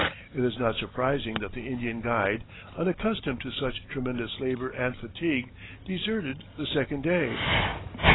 It is not surprising that the Indian guide, unaccustomed to such tremendous labor and fatigue, deserted the second day.